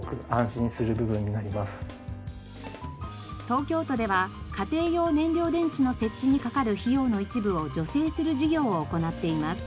東京都では家庭用燃料電池の設置にかかる費用の一部を助成する事業を行っています。